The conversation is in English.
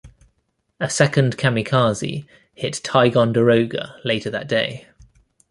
A second kamikaze hit "Ticonderoga" later that day.